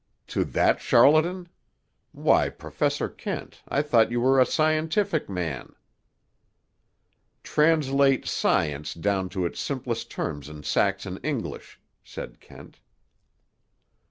"To that charlatan? Why, Professor Kent, I thought you were a scientific man." "Translate 'science' down to its simplest terms in Saxon English," said Kent.